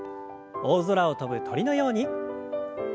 大空を飛ぶ鳥のように。